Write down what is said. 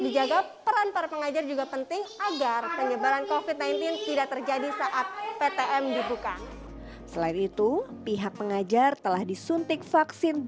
di vkp penyelenggaraan covid sembilan belas tidak terjadi saat ptm dibuka